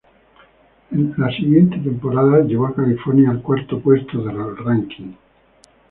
En la siguiente temporada, llevó a California al cuarto puesto del ranking.